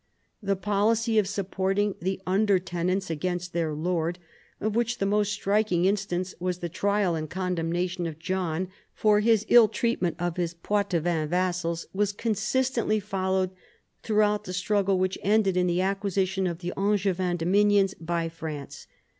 The policy of support ing the under tenants against their lord, of which the most striking instance was the trial and condemnation of John for his ill treatment of his Poitevin vassals, was consistently followed throughout the struggle which ended in the acquisition of the Angevin dominions by France.